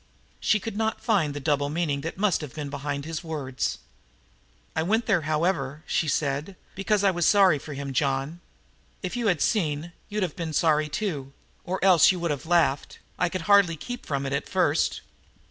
She could not find the double meaning that must have been behind his words. "I went there, however," she said, "because I was sorry for him, John. If you had seen you'd have been sorry, too, or else you would have laughed; I could hardly keep from it at first."